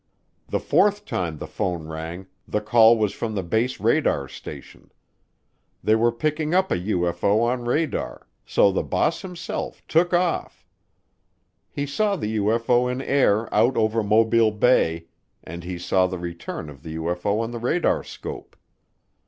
The fourth time the phone rang the call was from the base radar station. They were picking up a UFO on radar, so the boss himself took off. He saw the UFO in air out over Mobile Bay and he saw the return of the UFO on the radarscope.